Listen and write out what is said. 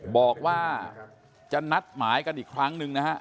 บอกว่าจะนัดหมายกันอีกครั้งหนึ่งนะฮะ